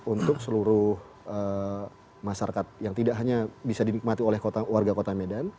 untuk seluruh masyarakat yang tidak hanya bisa dinikmati oleh warga kota medan